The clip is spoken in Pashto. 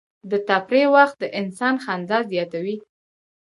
د تفریح وخت د انسان خندا زیاتوي.